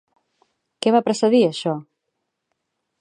Què va precedir, això?